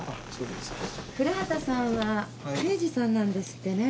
古畑さんは刑事さんなんですってねえ。